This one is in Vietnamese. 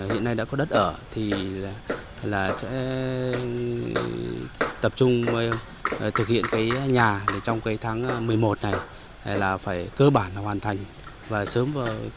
hiện nay đã có đất ở thì là sẽ tập trung thực hiện cái nhà trong cái tháng một mươi một này là phải cơ bản là hoàn thành và sớm vào cái ổn định cuộc sống